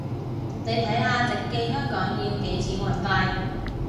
你睇下直寄香港要幾錢運費